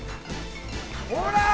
ほら！